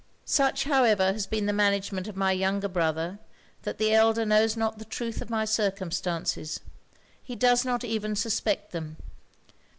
Such, however, has been the management of my younger brother, that the elder knows not the truth of my circumstances he does not even suspect them.